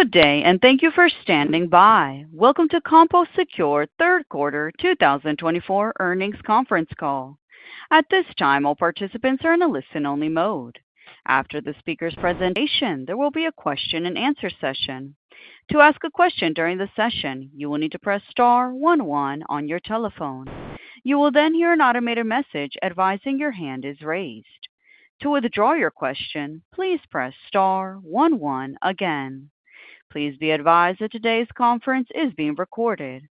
Good day, and thank you for standing by. Welcome to CompoSecure Q3 2024 earnings conference call. At this time, all participants are in a listen-only mode. After the speaker's presentation, there will be a question-and-answer session. To ask a question during the session, you will need to press star 11 on your telephone. You will then hear an automated message advising your hand is raised. To withdraw your question, please press star one one again. Please be advised that today's conference is being recorded.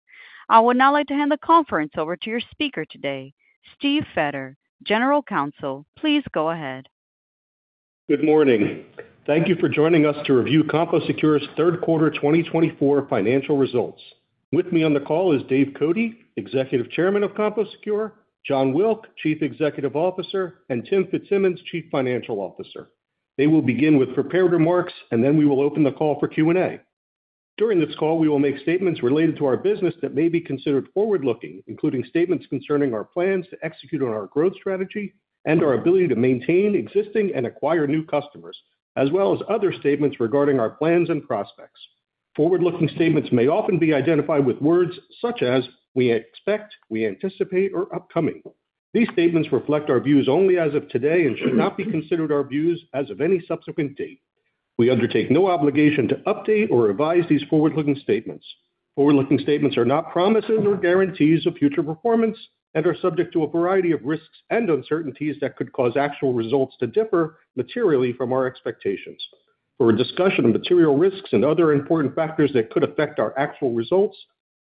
I would now like to hand the conference over to your speaker today, Steve Feder, General Counsel. Please go ahead. Good morning. Thank you for joining us to review CompoSecure's Q3 2024 financial results. With me on the call is David Cote, Executive Chairman of CompoSecure, Jon Wilk, Chief Executive Officer, and Tim Fitzsimmons, Chief Financial Officer. They will begin with prepared remarks, and then we will open the call for Q&A. During this call, we will make statements related to our business that may be considered forward-looking, including statements concerning our plans to execute on our growth strategy and our ability to maintain existing and acquire new customers, as well as other statements regarding our plans and prospects. Forward-looking statements may often be identified with words such as, "We expect," "We anticipate," or "Upcoming." These statements reflect our views only as of today and should not be considered our views as of any subsequent date. We undertake no obligation to update or revise these forward-looking statements. Forward-looking statements are not promises or guarantees of future performance and are subject to a variety of risks and uncertainties that could cause actual results to differ materially from our expectations. For a discussion of material risks and other important factors that could affect our actual results,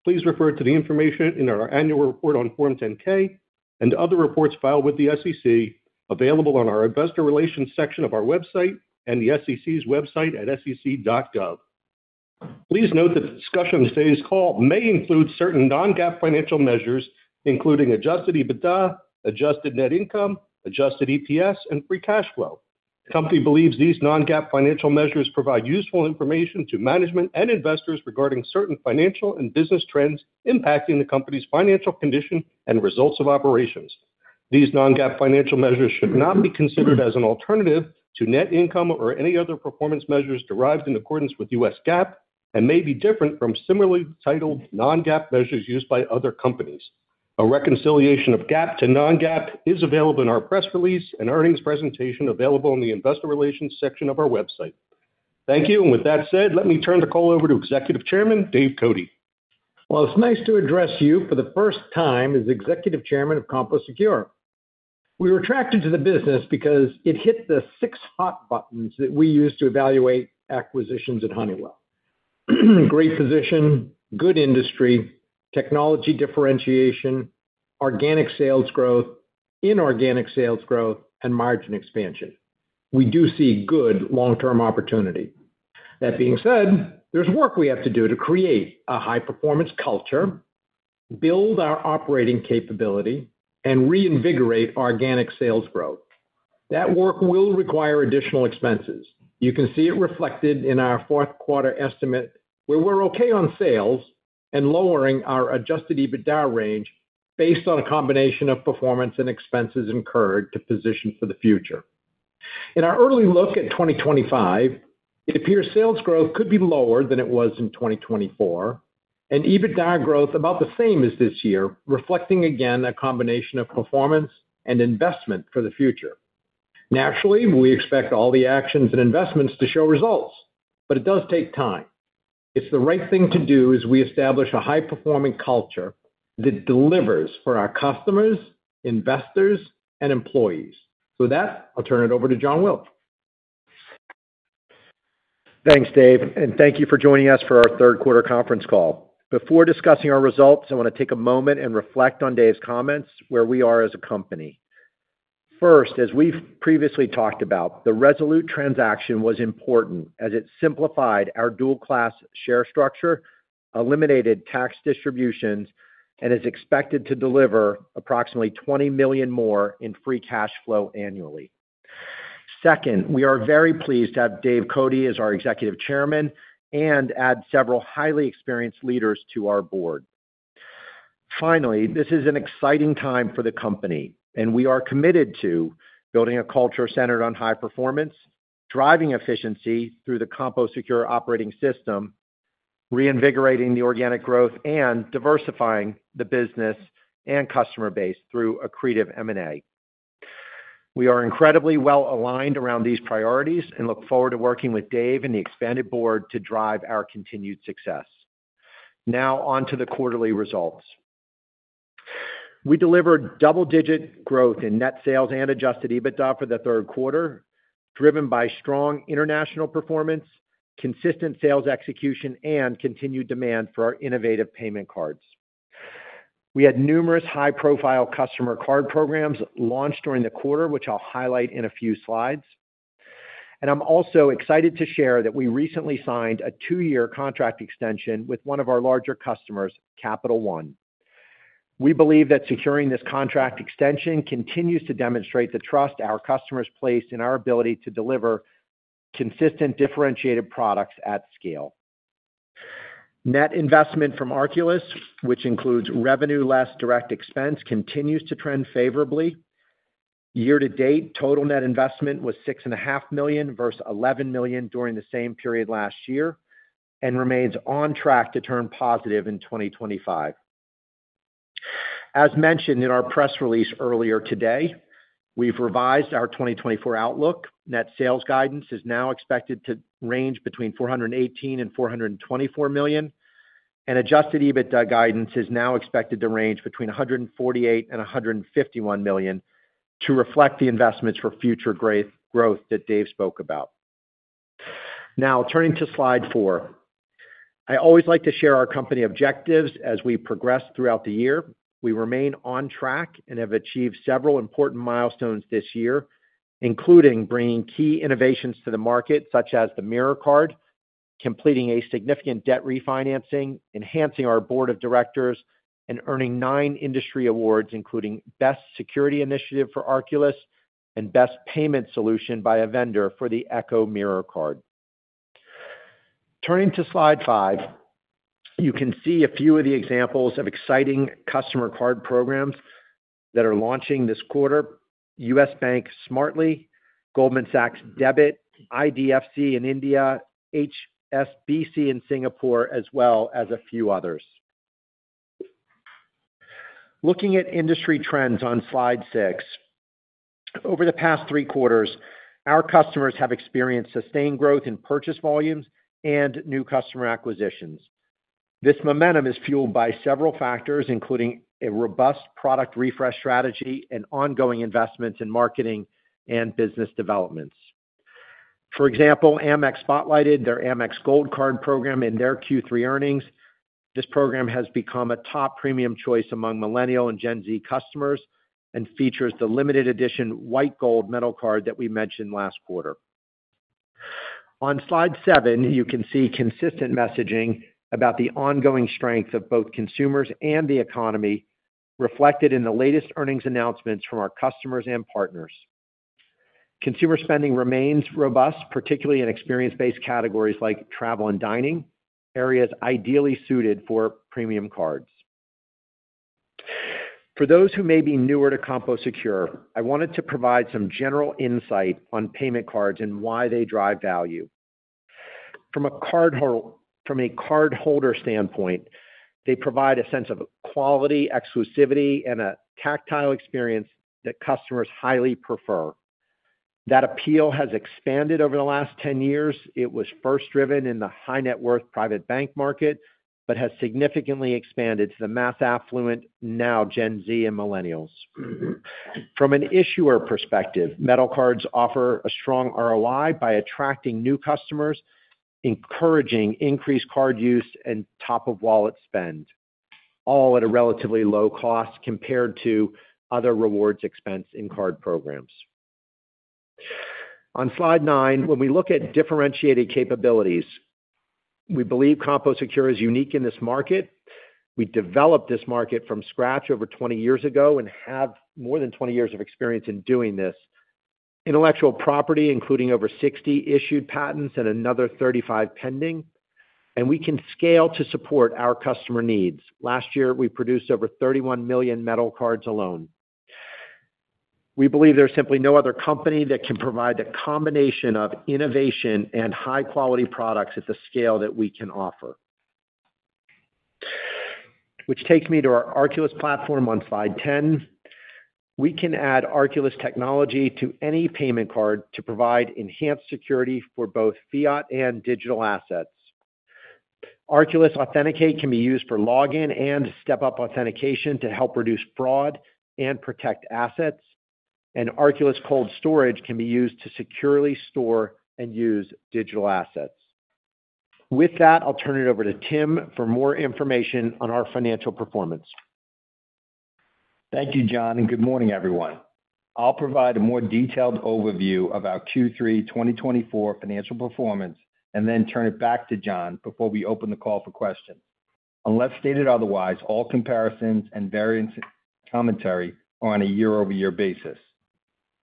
please refer to the information in our annual report on Form 10-K and other reports filed with the SEC available on our Investor Relations section of our website and the SEC's website at sec.gov. Please note that the discussion on today's call may include certain non-GAAP financial measures, including Adjusted EBITDA, Adjusted Net Income, Adjusted EPS, and Free Cash Flow. The company believes these non-GAAP financial measures provide useful information to management and investors regarding certain financial and business trends impacting the company's financial condition and results of operations. These non-GAAP financial measures should not be considered as an alternative to net income or any other performance measures derived in accordance with U.S. GAAP and may be different from similarly titled non-GAAP measures used by other companies. A reconciliation of GAAP to non-GAAP is available in our press release and earnings presentation available on the Investor Relations section of our website. Thank you. And with that said, let me turn the call over to Executive Chairman Dave Cote It's nice to address you for the first time as Executive Chairman of CompoSecure. We were attracted to the business because it hit the six hot buttons that we use to evaluate acquisitions at Honeywell: great position, good industry, technology differentiation, organic sales growth, inorganic sales growth, and margin expansion. We do see good long-term opportunity. That being said, there's work we have to do to create a high-performance culture, build our operating capability, and reinvigorate organic sales growth. That work will require additional expenses. You can see it reflected in our Q4 estimate, where we're okay on sales and lowering our Adjusted EBITDA range based on a combination of performance and expenses incurred to position for the future. In our early look at 2025, it appears sales growth could be lower than it was in 2024, and EBITDA growth about the same as this year, reflecting again a combination of performance and investment for the future. Naturally, we expect all the actions and investments to show results, but it does take time. It's the right thing to do as we establish a high-performing culture that delivers for our customers, investors, and employees. With that, I'll turn it over to Jon Wilk. Thanks, Dave, and thank you for joining us for our Q3 Conference Call. Before discussing our results, I want to take a moment and reflect on Dave's comments where we are as a company. First, as we've previously talked about, the Resolute transaction was important as it simplified our dual-class share structure, eliminated tax distributions, and is expected to deliver approximately $20 million more in Free Cash Flow annually. Second, we are very pleased to have Dave Cote as our Executive Chairman and add several highly experienced leaders to our board. Finally, this is an exciting time for the company, and we are committed to building a culture centered on high performance, driving efficiency through the CompoSecure Operating System, reinvigorating the organic growth, and diversifying the business and customer base through a creative M&A. We are incredibly well aligned around these priorities and look forward to working with Dave and the expanded board to drive our continued success. Now, on to the quarterly results. We delivered double-digit growth in net sales and Adjusted EBITDA for the Q3, driven by strong international performance, consistent sales execution, and continued demand for our innovative payment cards. We had numerous high-profile customer card programs launched during the quarter, which I'll highlight in a few slides, and I'm also excited to share that we recently signed a two-year contract extension with one of our larger customers, Capital One. We believe that securing this contract extension continues to demonstrate the trust our customers place in our ability to deliver consistent differentiated products at scale. Net investment from Arculus, which includes revenue less direct expense, continues to trend favorably. Year-to-date, total net investment was $6.5 million versus $11 million during the same period last year and remains on track to turn positive in 2025. As mentioned in our press release earlier today, we've revised our 2024 outlook. Net sales guidance is now expected to range between $418 million and $424 million, and adjusted EBITDA guidance is now expected to range between $148 million and $151 million to reflect the investments for future growth that Dave spoke about. Now, turning to slide four, I always like to share our company objectives as we progress throughout the year. We remain on track and have achieved several important milestones this year, including bringing key innovations to the market, such as the Mirror Card, completing a significant debt refinancing, enhancing our board of directors, and earning nine industry awards, including Best Security Initiative for Arculus and Best Payment Solution by a vendor for the Echo Mirror Card. Turning to slide five, you can see a few of the examples of exciting customer card programs that are launching this quarter: U.S. Bank Smartly, Goldman Sachs Debit, IDFC in India, HSBC in Singapore, as well as a few others. Looking at industry trends on slide six, over the past three quarters, our customers have experienced sustained growth in purchase volumes and new customer acquisitions. This momentum is fueled by several factors, including a robust product refresh strategy and ongoing investments in marketing and business developments. For example, Amex spotlighted their Amex Gold Card program in their Q3 earnings. This program has become a top premium choice among Millennial and Gen Z customers and features the limited edition White Gold metal card that we mentioned last quarter. On slide seven, you can see consistent messaging about the ongoing strength of both consumers and the economy, reflected in the latest earnings announcements from our customers and partners. Consumer spending remains robust, particularly in experience-based categories like travel and dining, areas ideally suited for premium cards. For those who may be newer to CompoSecure, I wanted to provide some general insight on payment cards and why they drive value. From a cardholder standpoint, they provide a sense of quality, exclusivity, and a tactile experience that customers highly prefer. That appeal has expanded over the last 10 years. It was first driven in the high-net-worth private bank market but has significantly expanded to the mass affluent, now Gen Z and Millennials. From an issuer perspective, metal cards offer a strong ROI by attracting new customers, encouraging increased card use and top-of-wallet spend, all at a relatively low cost compared to other rewards expense in card programs. On slide nine, when we look at differentiated capabilities, we believe CompoSecure is unique in this market. We developed this market from scratch over 20 years ago and have more than 20 years of experience in doing this. Intellectual property, including over 60 issued patents and another 35 pending, and we can scale to support our customer needs. Last year, we produced over 31 million metal cards alone. We believe there's simply no other company that can provide a combination of innovation and high-quality products at the scale that we can offer. Which takes me to our Arculus platform on slide 10. We can add Arculus technology to any payment card to provide enhanced security for both fiat and digital assets. Arculus Authenticate can be used for login and step-up authentication to help reduce fraud and protect assets, and Arculus Cold Storage can be used to securely store and use digital assets. With that, I'll turn it over to Tim for more information on our financial performance. Thank you, Jon, and good morning, everyone. I'll provide a more detailed overview of our Q3 2024 financial performance and then turn it back to Jon before we open the call for questions. Unless stated otherwise, all comparisons and variance commentary are on a year-over-year basis.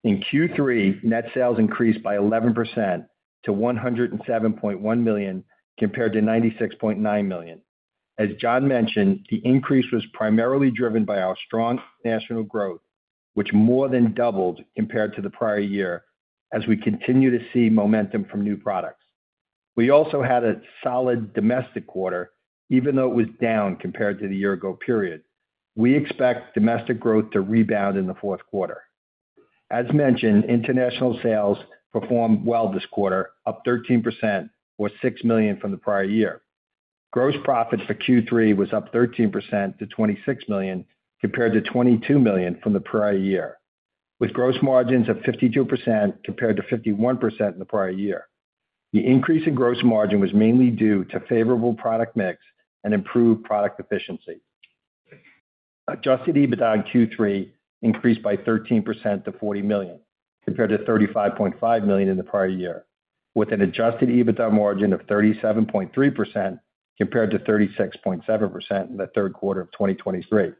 In Q3, net sales increased by 11% to $107.1 million compared to $96.9 million. As Jon mentioned, the increase was primarily driven by our strong international growth, which more than doubled compared to the prior year as we continue to see momentum from new products. We also had a solid domestic quarter, even though it was down compared to the year-ago period. We expect domestic growth to rebound in the Q4. As mentioned, international sales performed well this quarter, up 13% or $6 million from the prior year. Gross profit for Q3 was up 13% to $26 million compared to $22 million from the prior year, with gross margins of 52% compared to 51% in the prior year. The increase in gross margin was mainly due to favorable product mix and improved product efficiency. Adjusted EBITDA in Q3 increased by 13% to $40 million compared to $35.5 million in the prior year, with an adjusted EBITDA margin of 37.3% compared to 36.7% in the Q3 of 2023.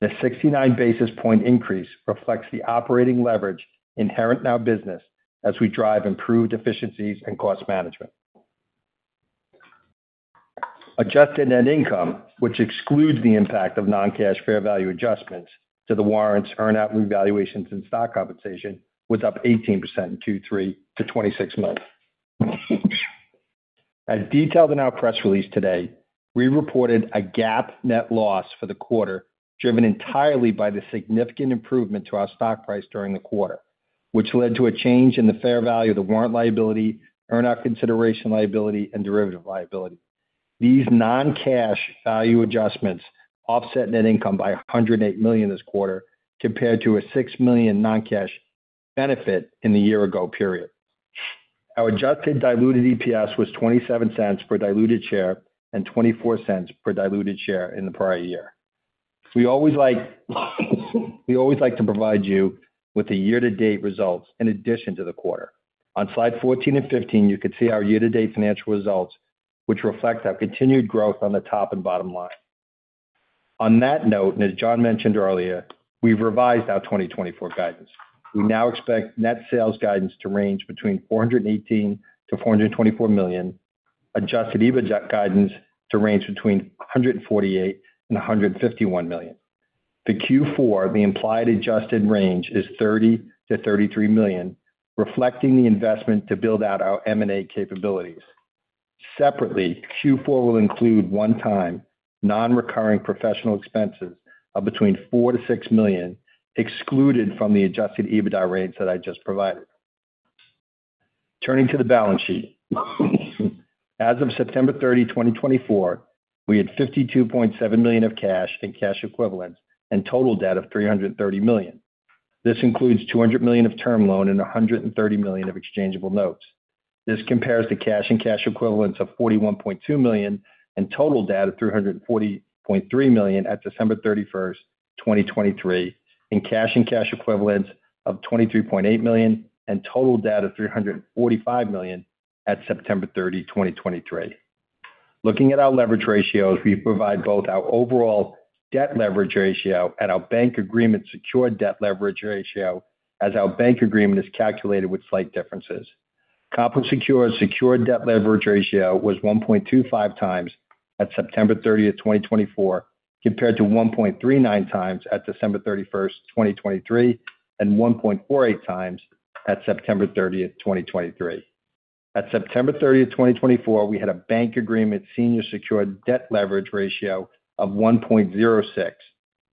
The 69 basis points increase reflects the operating leverage inherent in our business as we drive improved efficiencies and cost management. Adjusted net income, which excludes the impact of non-cash fair value adjustments to the warrants, earn-out revaluations, and stock compensation, was up 18% in Q3 to $26 million. As detailed in our press release today, we reported a GAAP net loss for the quarter driven entirely by the significant improvement to our stock price during the quarter, which led to a change in the fair value of the warrant liability, earn-out consideration liability, and derivative liability. These non-cash value adjustments offset net income by $108 million this quarter compared to a $6 million non-cash benefit in the year-ago period. Our adjusted diluted EPS was $0.27 per diluted share and $0.24 per diluted share in the prior year. We always like to provide you with the year-to-date results in addition to the quarter. On slide 14 and 15, you can see our year-to-date financial results, which reflect our continued growth on the top and bottom line. On that note, and as Jon mentioned earlier, we've revised our 2024 guidance. We now expect net sales guidance to range between $418 million to $424 million, adjusted EBITDA guidance to range between $148 million and $151 million. For Q4, the implied adjusted range is $30 million to $33 million, reflecting the investment to build out our M&A capabilities. Separately, Q4 will include one-time non-recurring professional expenses of between $4 million to $6 million, excluded from the adjusted EBITDA rates that I just provided. Turning to the balance sheet, as of September 30, 2024, we had $52.7 million of cash and cash equivalents and total debt of $330 million. This includes $200 million of term loan and $130 million of exchangeable notes. This compares to cash and cash equivalents of $41.2 million and total debt of $340.3 million at December 31, 2023, and cash and cash equivalents of $23.8 million and total debt of $345 million at September 30, 2023. Looking at our leverage ratios, we provide both our overall debt leverage ratio and our bank agreement secured debt leverage ratio as our bank agreement is calculated with slight differences. CompoSecure's secured debt leverage ratio was 1.25 times at September 30, 2024, compared to 1.39 times at December 31, 2023, and 1.48 times at September 30, 2023. At September 30, 2024, we had a bank agreement senior secured debt leverage ratio of 1.06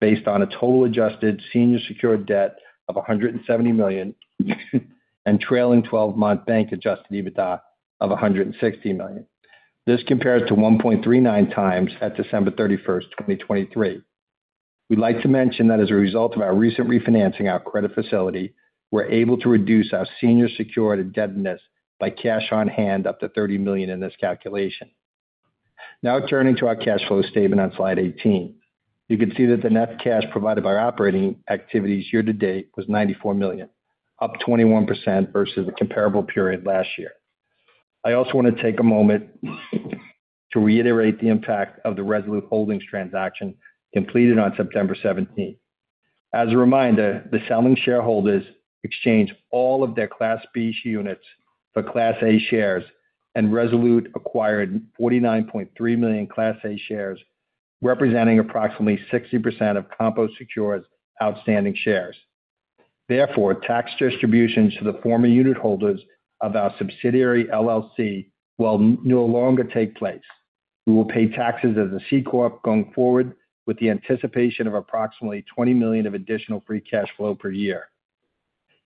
based on a total adjusted senior secured debt of $170 million and trailing 12-month bank adjusted EBITDA of $160 million. This compares to 1.39 times at December 31, 2023. We'd like to mention that as a result of our recent refinancing of our credit facility, we're able to reduce our senior secured indebtedness by cash on hand up to $30 million in this calculation. Now, turning to our cash flow statement on slide 18, you can see that the net cash provided by operating activities year-to-date was $94 million, up 21% versus the comparable period last year. I also want to take a moment to reiterate the impact of the Resolute Holdings transaction completed on September 17. As a reminder, the selling shareholders exchanged all of their Class B units for Class A shares, and Resolute acquired 49.3 million Class A shares, representing approximately 60% of CompoSecure's outstanding shares. Therefore, tax distributions to the former unit holders of our subsidiary LLC will no longer take place. We will pay taxes as a C Corp going forward with the anticipation of approximately $20 million of additional free cash flow per year.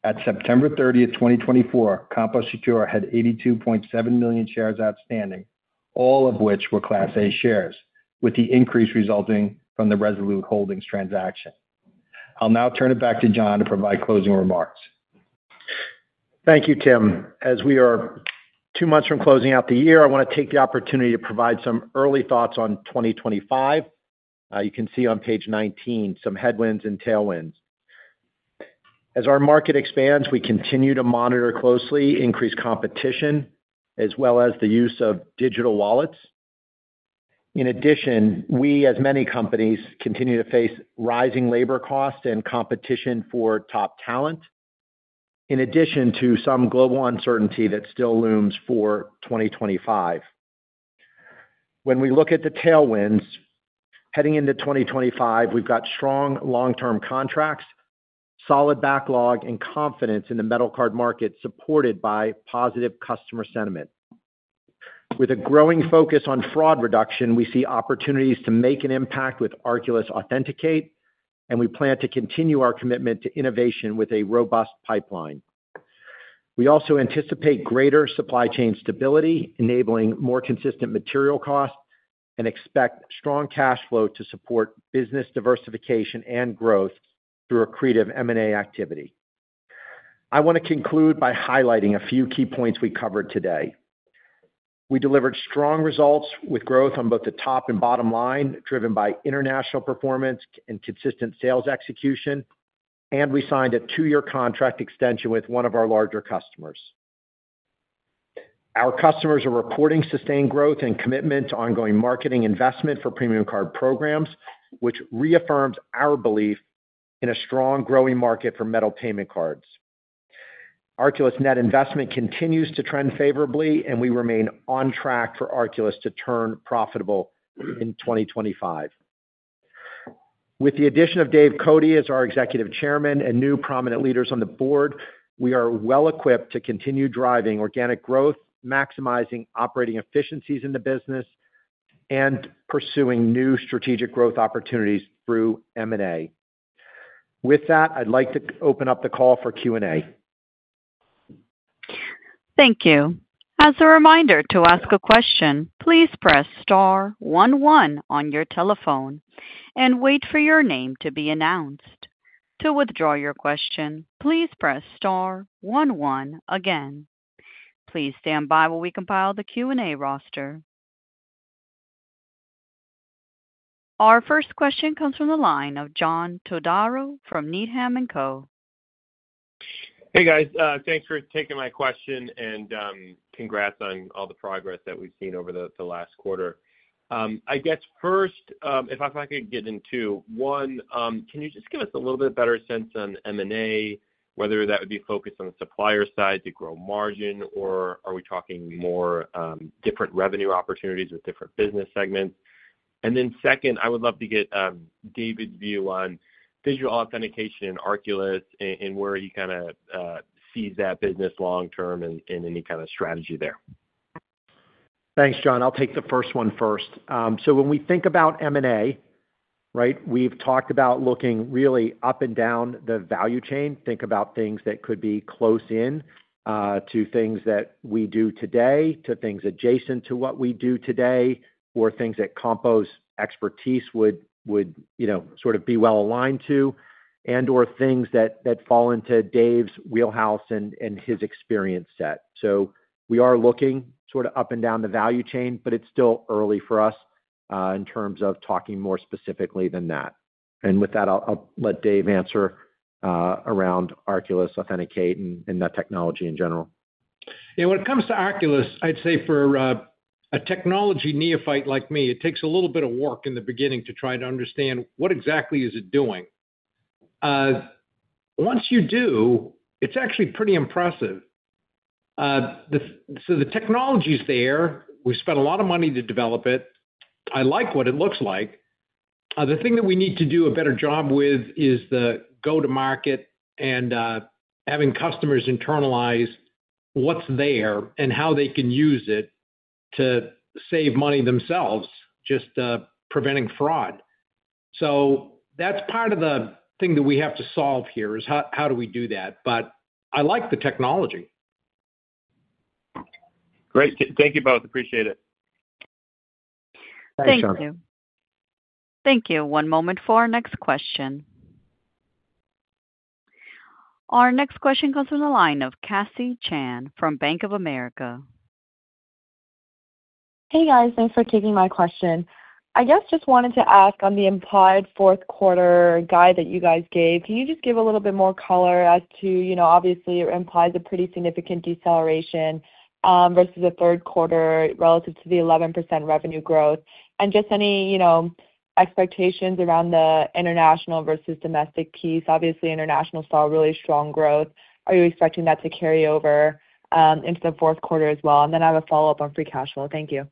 At September 30, 2024, CompoSecure had 82.7 million shares outstanding, all of which were Class A shares, with the increase resulting from the Resolute Holdings transaction. I'll now turn it back to Jon to provide closing remarks. Thank you, Tim. As we are two months from closing out the year, I want to take the opportunity to provide some early thoughts on 2025. You can see on page 19 some headwinds and tailwinds. As our market expands, we continue to monitor closely increased competition as well as the use of digital wallets. In addition, we, as many companies, continue to face rising labor costs and competition for top talent, in addition to some global uncertainty that still looms for 2025. When we look at the tailwinds, heading into 2025, we've got strong long-term contracts, solid backlog, and confidence in the metal card market supported by positive customer sentiment. With a growing focus on fraud reduction, we see opportunities to make an impact with Arculus Authenticate, and we plan to continue our commitment to innovation with a robust pipeline. We also anticipate greater supply chain stability, enabling more consistent material costs, and expect strong cash flow to support business diversification and growth through a creative M&A activity. I want to conclude by highlighting a few key points we covered today. We delivered strong results with growth on both the top and bottom line, driven by international performance and consistent sales execution, and we signed a two-year contract extension with one of our larger customers. Our customers are reporting sustained growth and commitment to ongoing marketing investment for premium card programs, which reaffirms our belief in a strong growing market for metal payment cards. Arculus' net investment continues to trend favorably, and we remain on track for Arculus to turn profitable in 2025. With the addition of David Cote as our Executive Chairman and new prominent leaders on the board, we are well-equipped to continue driving organic growth, maximizing operating efficiencies in the business, and pursuing new strategic growth opportunities through M&A. With that, I'd like to open up the call for Q&A. Thank you. As a reminder to ask a question, please press star one one on your telephone and wait for your name to be announced. To withdraw your question, please press star one one again. Please stand by while we compile the Q&A roster. Our first question comes from the line of John Todaro from Needham & Co. Hey, guys. Thanks for taking my question, and congrats on all the progress that we've seen over the last quarter. I guess first, if I could get into one, can you just give us a little bit better sense on M&A, whether that would be focused on the supplier side to grow margin, or are we talking more different revenue opportunities with different business segments? And then second, I would love to get David's view on digital authentication in Arculus and where he kind of sees that business long-term and any kind of strategy there. Thanks, Jon. I'll take the first one first. So when we think about M&A, right, we've talked about looking really up and down the value chain. Think about things that could be close in to things that we do today, to things adjacent to what we do today, or things that Compo's expertise would sort of be well aligned to, and/or things that fall into Dave's wheelhouse and his experience set. So we are looking sort of up and down the value chain, but it's still early for us in terms of talking more specifically than that. And with that, I'll let Dave answer around Arculus Authenticate and that technology in general. Yeah. When it comes to Arculus, I'd say for a technology neophyte like me, it takes a little bit of work in the beginning to try to understand what exactly is it doing. Once you do, it's actually pretty impressive. So the technology's there. We spent a lot of money to develop it. I like what it looks like. The thing that we need to do a better job with is the go-to-market and having customers internalize what's there and how they can use it to save money themselves, just preventing fraud. So that's part of the thing that we have to solve here is how do we do that? But I like the technology. Great. Thank you both. Appreciate it. Thanks, Jon. Thank you. One moment for our next question. Our next question comes from the line of Cassie Chan from Bank of America. Hey, guys. Thanks for taking my question. I guess just wanted to ask on the implied Q4 guide that you guys gave, can you just give a little bit more color as to, obviously, it implies a pretty significant deceleration versus the Q3 relative to the 11% revenue growth? And just any expectations around the international versus domestic piece? Obviously, international saw really strong growth. Are you expecting that to carry over into the Q4 as well? And then I have a follow-up on Free Cash Flow. Thank you.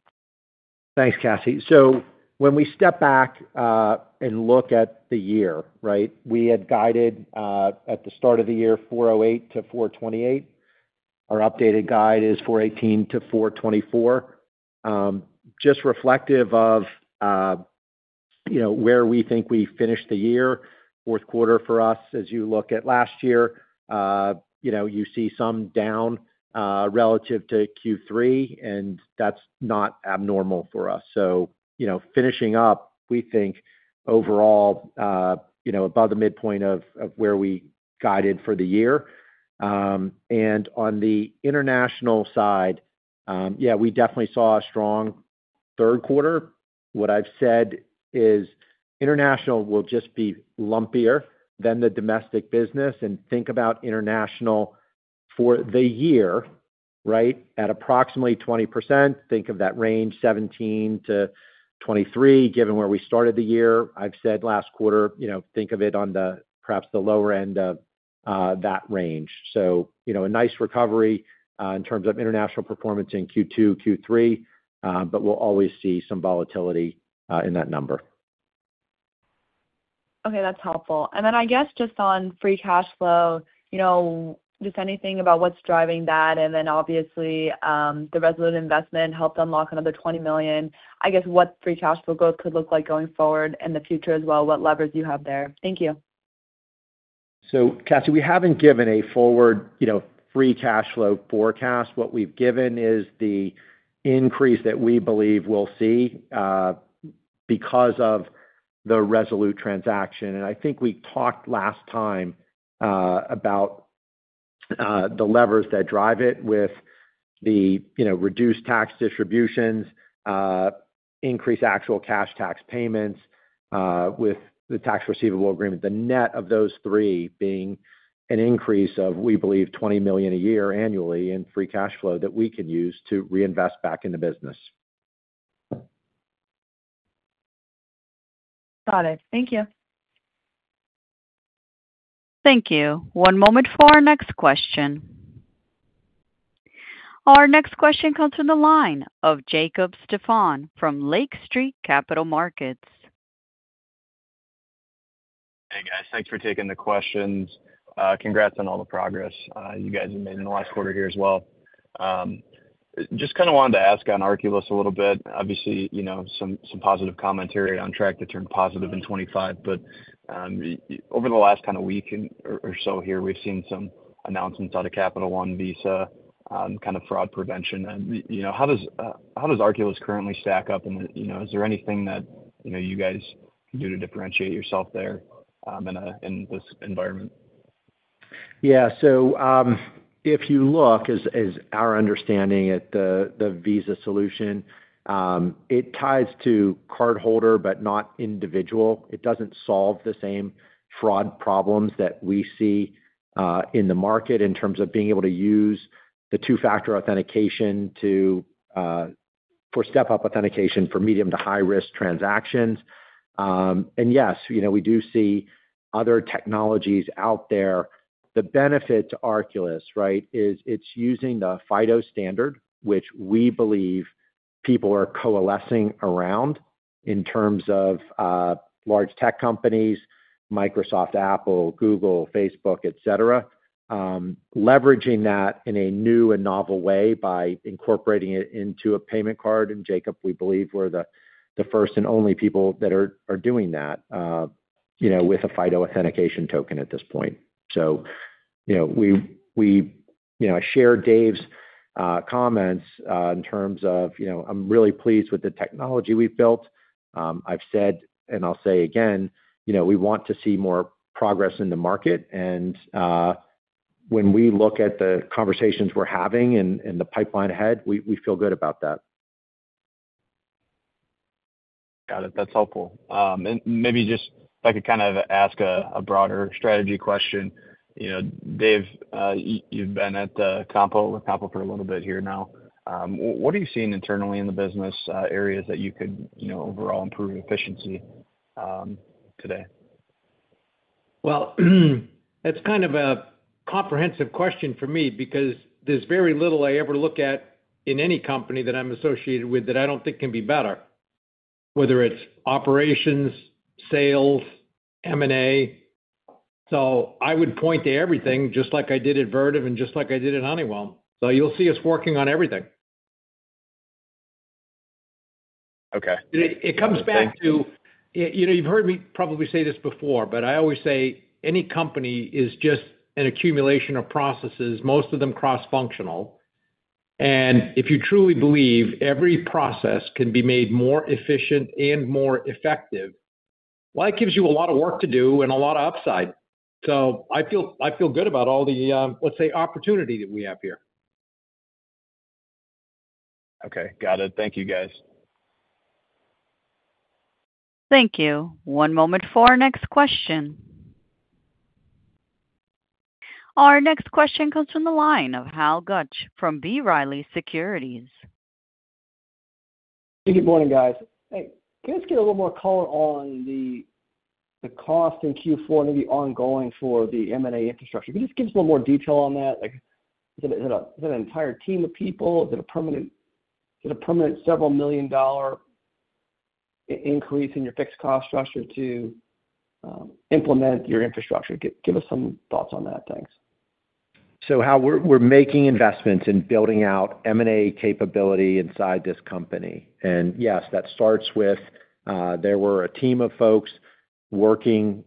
Thanks, Cassie. So when we step back and look at the year, right, we had guided at the start of the year $408-$428. Our updated guide is $418-$424. Just reflective of where we think we finished the year, Q4 for us, as you look at last year, you see some down relative to Q3, and that's not abnormal for us. So finishing up, we think overall above the midpoint of where we guided for the year. And on the international side, yeah, we definitely saw a strong Q3. What I've said is international will just be lumpier than the domestic business. And think about international for the year, right, at approximately 20%. Think of that range 17%-23%, given where we started the year. I've said last quarter, think of it on perhaps the lower end of that range. So a nice recovery in terms of international performance in Q2, Q3, but we'll always see some volatility in that number. Okay. That's helpful. And then I guess just on free cash flow, just anything about what's driving that? And then obviously, the Resolute investment helped unlock another $20 million. I guess what free cash flow growth could look like going forward in the future as well? What levers do you have there? Thank you. Cassie, we haven't given a forward free cash flow forecast. What we've given is the increase that we believe we'll see because of the Resolute transaction. And I think we talked last time about the levers that drive it with the reduced tax distributions, increased actual cash tax payments with the Tax Receivable Agreement, the net of those three being an increase of, we believe, $20 million a year annually in free cash flow that we can use to reinvest back in the business. Got it. Thank you. Thank you. One moment for our next question. Our next question comes from the line of Jacob Stephan from Lake Street Capital Markets. Hey, guys. Thanks for taking the questions. Congrats on all the progress you guys have made in the last quarter here as well. Just kind of wanted to ask on Arculus a little bit. Obviously, some positive commentary on track to turn positive in 2025. But over the last kind of week or so here, we've seen some announcements out of Capital One Visa kind of fraud prevention. How does Arculus currently stack up? And is there anything that you guys can do to differentiate yourself there in this environment? Yeah. So if you look, as our understanding of the Visa solution, it ties to cardholder but not individual. It doesn't solve the same fraud problems that we see in the market in terms of being able to use the two-factor authentication for step-up authentication for medium to high-risk transactions. And yes, we do see other technologies out there. The benefit to Arculus, right, is it's using the FIDO standard, which we believe people are coalescing around in terms of large tech companies: Microsoft, Apple, Google, Facebook, etc., leveraging that in a new and novel way by incorporating it into a payment card. And Jacob, we believe, we're the first and only people that are doing that with a FIDO authentication token at this point. So I share Dave's comments in terms of, "I'm really pleased with the technology we've built." I've said, and I'll say again, "We want to see more progress in the market." And when we look at the conversations we're having and the pipeline ahead, we feel good about that. Got it. That's helpful. And maybe just if I could kind of ask a broader strategy question. Dave, you've been at the Compo for a little bit here now. What are you seeing internally in the business areas that you could overall improve efficiency today? That's kind of a comprehensive question for me because there's very little I ever look at in any company that I'm associated with that I don't think can be better, whether it's operations, sales, M&A, so I would point to everything just like I did at Vertiv and just like I did at Honeywell, so you'll see us working on everything. Okay. It comes back to you've heard me probably say this before, but I always say any company is just an accumulation of processes, most of them cross-functional. And if you truly believe every process can be made more efficient and more effective, well, that gives you a lot of work to do and a lot of upside. So I feel good about all the, let's say, opportunity that we have here. Okay. Got it. Thank you, guys. Thank you. One moment for our next question. Our next question comes from the line of Hal Goetsch from B. Riley Securities. Hey, good morning, guys. Hey, can you just get a little more color on the cost in Q4 and maybe ongoing for the M&A infrastructure? Can you just give us a little more detail on that? Is that an entire team of people? Is it a permanent several million-dollar increase in your fixed cost structure to implement your infrastructure? Give us some thoughts on that, thanks. So we're making investments in building out M&A capability inside this company. And yes, that starts with there were a team of folks working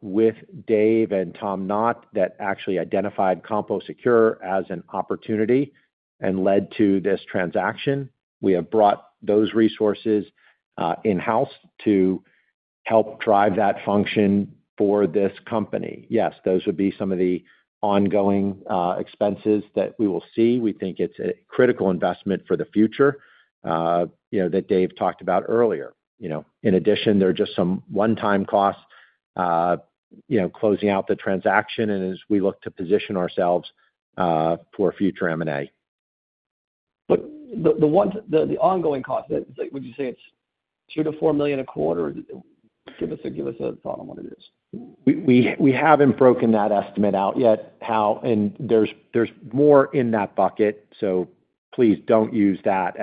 with Dave and Tom Knott that actually identified CompoSecure as an opportunity and led to this transaction. We have brought those resources in-house to help drive that function for this company. Yes, those would be some of the ongoing expenses that we will see. We think it's a critical investment for the future that Dave talked about earlier. In addition, there are just some one-time costs closing out the transaction as we look to position ourselves for future M&A. But the ongoing cost, would you say it's $2 million-$4 million a quarter? Give us a thought on what it is. We haven't broken that estimate out yet, Hal. And there's more in that bucket. So please don't use that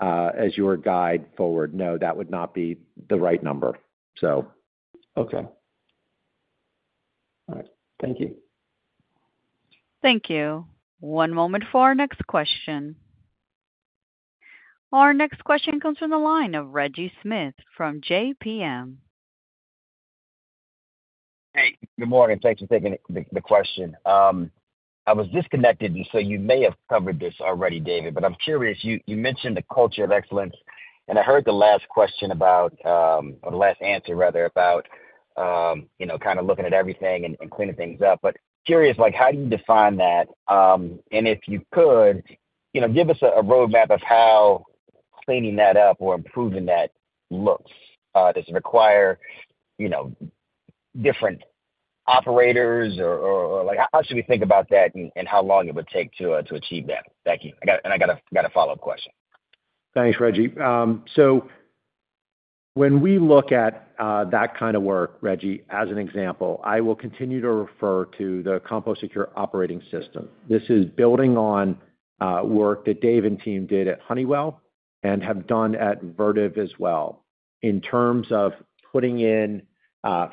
as your guide forward. No, that would not be the right number, so. Okay. All right. Thank you. Thank you. One moment for our next question. Our next question comes from the line of Reggie Smith from JPM. Hey, good morning. Thanks for taking the question. I was disconnected, and so you may have covered this already, David, but I'm curious. You mentioned the culture of excellence, and I heard the last question about, or the last answer, rather, about kind of looking at everything and cleaning things up, but curious, how do you define that, and if you could, give us a roadmap of how cleaning that up or improving that looks. Does it require different operators, or how should we think about that, and how long it would take to achieve that? Thank you, and I got a follow-up question. Thanks, Reggie. So when we look at that kind of work, Reggie, as an example, I will continue to refer to the CompoSecure Operating System. This is building on work that Dave and team did at Honeywell and have done at Vertiv as well in terms of putting in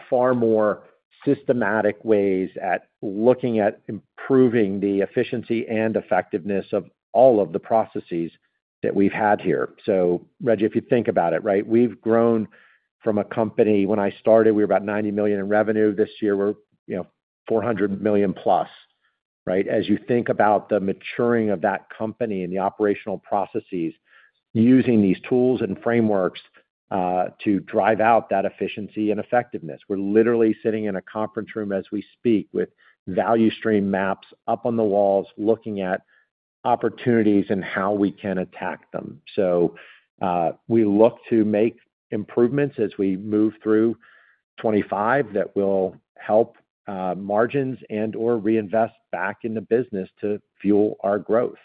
far more systematic ways at looking at improving the efficiency and effectiveness of all of the processes that we've had here. So Reggie, if you think about it, right, we've grown from a company when I started, we were about $90 million in revenue. This year, we're $400 million plus, right? As you think about the maturing of that company and the operational processes, using these tools and frameworks to drive out that efficiency and effectiveness. We're literally sitting in a conference room as we speak with value stream maps up on the walls, looking at opportunities and how we can attack them. So we look to make improvements as we move through 2025 that will help margins and/or reinvest back in the business to fuel our growth.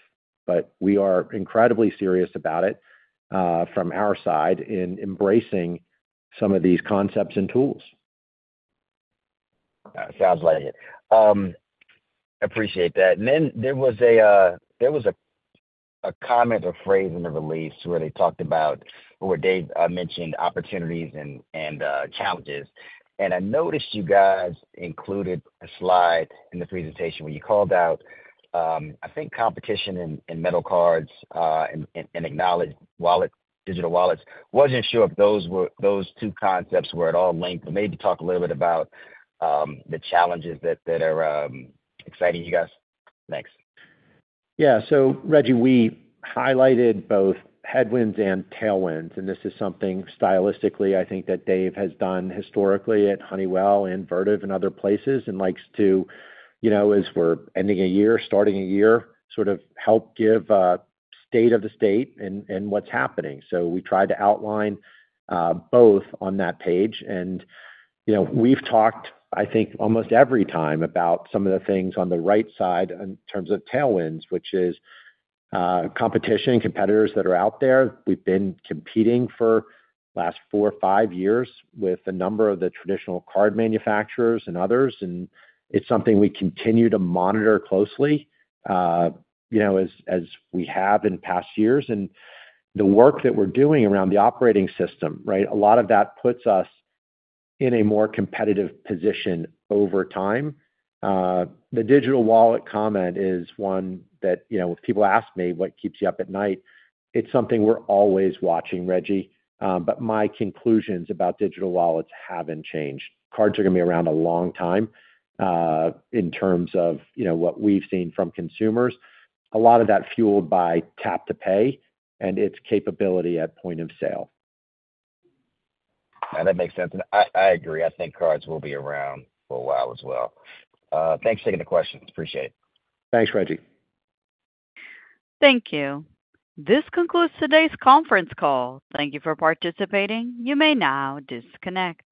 But we are incredibly serious about it from our side in embracing some of these concepts and tools. Sounds like it. I appreciate that. And then there was a comment or phrase in the release where they talked about, or Dave mentioned, opportunities and challenges. And I noticed you guys included a slide in the presentation where you called out, I think, competition in metal cards and acknowledged digital wallets. Wasn't sure if those two concepts were at all linked. Maybe talk a little bit about the challenges that are exciting you guys. Thanks. Yeah. So Reggie, we highlighted both headwinds and tailwinds. And this is something stylistically, I think, that Dave has done historically at Honeywell and Vertiv and other places and likes to, as we're ending a year, starting a year, sort of help give a state of the state and what's happening. So we tried to outline both on that page. And we've talked, I think, almost every time about some of the things on the right side in terms of tailwinds, which is competition, competitors that are out there. We've been competing for the last four or five years with a number of the traditional card manufacturers and others. And it's something we continue to monitor closely as we have in past years. And the work that we're doing around the operating system, right, a lot of that puts us in a more competitive position over time. The digital wallet comment is one that if people ask me, "What keeps you up at night?" It's something we're always watching, Reggie. But my conclusions about digital wallets haven't changed. Cards are going to be around a long time in terms of what we've seen from consumers. A lot of that fueled by tap-to-pay and its capability at point of sale. That makes sense. And I agree. I think cards will be around for a while as well. Thanks for taking the questions. Appreciate it. Thanks, Reggie. Thank you. This concludes today's conference call. Thank you for participating. You may now disconnect.